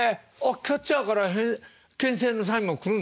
キャッチャーからけん制のサインも来るんですか？